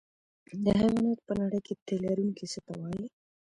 د حیواناتو په نړۍ کې تی لرونکي څه ته وایي